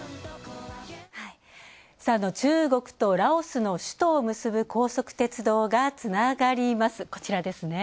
中国とラオスの首都を結ぶ高速鉄道がつながります。